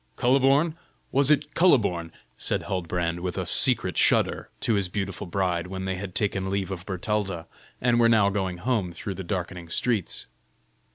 "Kuhleborn? was it Kuhleborn?" said Huldbrand, with a secret shudder, to his beautiful bride, when they had taken leave of Bertalda, and were now going home through the darkening streets.